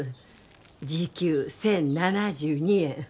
時給１０７２円